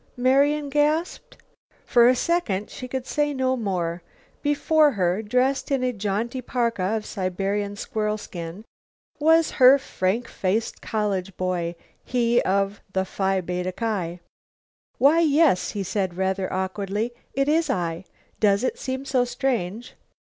Marian gasped. For a second she could say no more. Before her, dressed in a jaunty parka of Siberian squirrel skin, was her frank faced college boy, he of the Phi Beta Ki. "Why, yes," he said rather awkwardly, "it is I. Does it seem so strange?